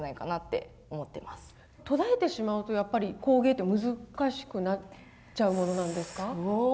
途絶えてしまうとやっぱり工芸って難しくなっちゃうものなんですか？